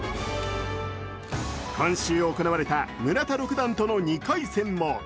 今週行われた村田六段との２回戦も。